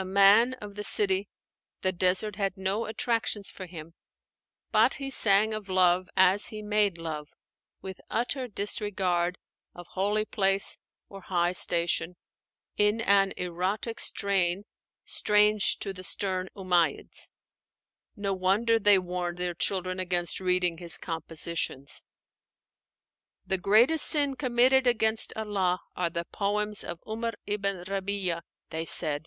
A man of the city, the desert had no attractions for him. But he sang of love as he made love, with utter disregard of holy place or high station, in an erotic strain strange to the stern Umáyyids. No wonder they warned their children against reading his compositions. "The greatest sin committed against Allah are the poems of 'Umar ibn Rabí'a," they said.